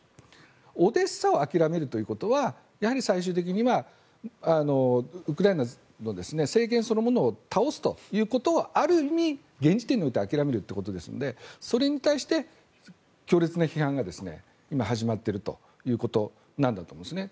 オデーサを諦めるということは最終的にはウクライナの政権そのものを倒すということをある意味、現時点において諦めるということですのでそれに対して強烈な批判が今、始まっているということなんだと思うんですね。